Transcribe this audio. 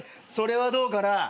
それはどうかな。